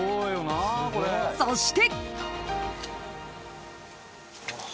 ［そして］